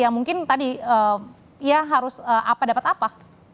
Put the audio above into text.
yang mungkin tadi ya harus dapat apa